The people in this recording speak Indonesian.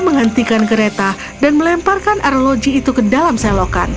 menghentikan kereta dan melemparkan arloji itu ke dalam selokan